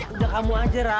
udah kamu aja ra